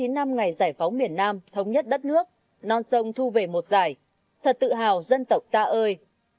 năm mươi chín năm ngày giải phóng miền nam thống nhất đất nước non sông thu về một dài thật tự hào dân tộc ta ơi